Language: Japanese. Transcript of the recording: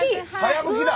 かやぶきだ！